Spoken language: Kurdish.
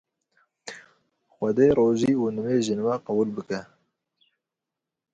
Xwedê rojî û nimêjên we qebûl bike.